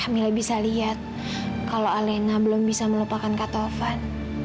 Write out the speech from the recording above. kamila bisa liat kalo alena belum bisa melupakan kak tovan